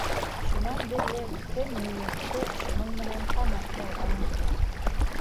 Шунан бирле кем ни етте, шуның менән тамаҡ ялғаны.